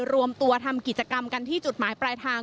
รวมตัวทำกิจกรรมกันที่จุดหมายปลายทาง